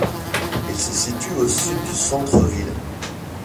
Il se situe au sud du centre-ville.